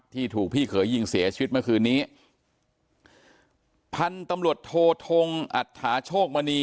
ที่ถูกพี่เขยยิงเสียชีวิตเมื่อคืนนี้พันธุ์ตำรวจโททงอัตถาโชคมณี